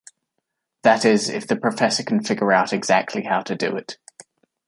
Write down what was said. That is, if the Professor can figure out exactly how to do it.